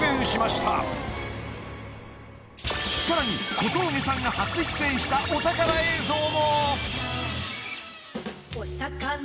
［さらに小峠さんが初出演したお宝映像も］